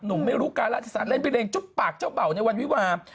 ไม่รู้การาธิสารเล่นพิเรงจุ๊บปากเจ้าเบ่าในวันวิวา